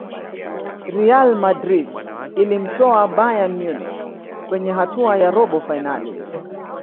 real madrid ilimtoa bayern munich kwenye hatua ya robo fainali